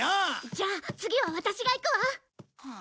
じゃあ次はワタシが行くわ！